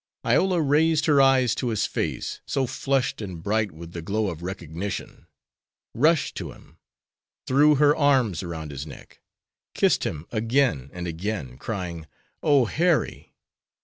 Iola raised her eyes to his face, so flushed and bright with the glow of recognition, rushed to him, threw her arms around his neck, kissed him again and again, crying: "O, Harry!"